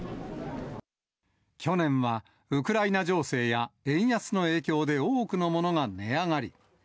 去年はウクライナ情勢や円安の影響で多くの物が値上がり。